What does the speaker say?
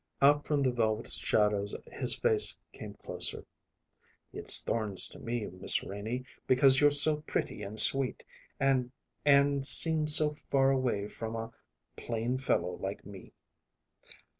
Out from the velvet shadows his face came closer. "It's thorns to me, Miss Renie, because you're so pretty and sweet, and and seem so far away from a plain fellow like me."